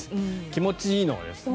気持ちいーのです。